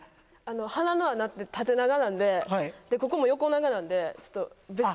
鼻の穴って縦長なんでここも横長なんで。